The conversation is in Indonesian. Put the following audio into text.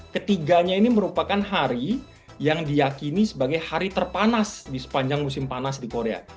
ketiganya ini merupakan hari yang diakini sebagai hari terpanas di sepanjang musim panas di korea